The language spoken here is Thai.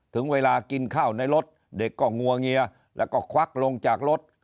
ถึงเวลากินข้าวในรถเด็กก็งัวเงียแล้วก็ควักลงจากรถ